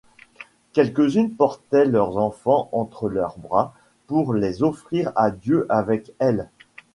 Quelques-unes portaient leurs enfants entre leurs bras, pour les offrir à Dieu avec elles.